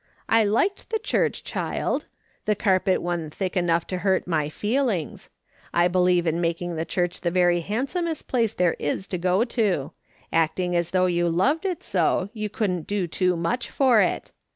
I liked the church, child. The carpet wa'n't thick enough to hurt my feelings. I believe in making the church the very handsomest place there is to go to ; acting as though you loved it so, you couldn't do too much for it.